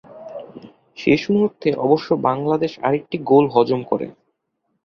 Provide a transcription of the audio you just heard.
শেষ মুহূর্তে অবশ্য বাংলাদেশ আরেকটি গোল হজম করে।